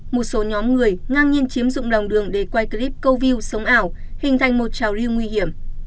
một số nhóm người ngang nhiên chiếm dụng lòng đường để quay clip câu view sống ảo hình thành một trào lưu nguy hiểm